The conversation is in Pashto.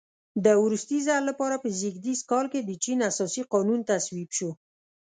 د وروستي ځل لپاره په زېږدیز کال کې د چین اساسي قانون تصویب شو.